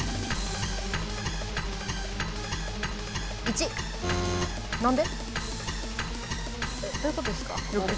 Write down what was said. １。どういうことですか？